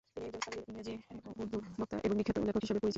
তিনি একজন সাবলীল ইংরেজি ও উর্দু বক্তা এবং বিখ্যাত লেখক হিসাবে পরিচিত।